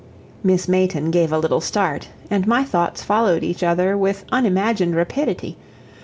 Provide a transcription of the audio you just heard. Miss Mayton gave a little start, and my thoughts followed each other with unimagined rapidity.